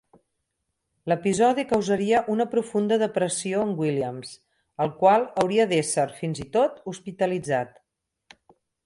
L'episodi causaria una profunda depressió en Williams, el qual hauria d'ésser, fins i tot, hospitalitzat.